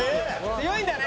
強いんだね。